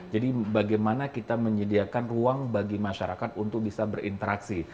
jadi bagaimana kita menyediakan ruang bagi masyarakat untuk bisa berinteraksi